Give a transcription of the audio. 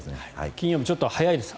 金曜日ちょっと早いです。